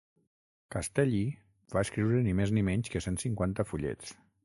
Castelli va escriure ni més ni menys que cent cinquanta fullets.